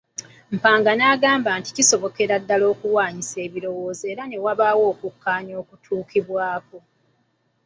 Mpanga agamba nti kisobokera ddala okuwanyisiganya ebirowoozo era ne wabaawo okukkaanya okutuukibwako.